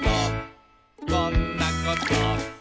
「こんなこと」